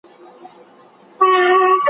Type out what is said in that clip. سردرد د خوراک او خوب سره تړلی دی.